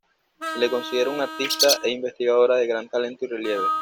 Se la considera una artista e investigadora de gran talento y relieve.